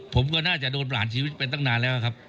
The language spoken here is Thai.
ผมก็น่าจะโดนประหารชีวิตไปตั้งนานแล้วครับ